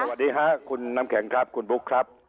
สวัสดีค่ะคุณน้ำแข็งครับคุณบุ๊คครับ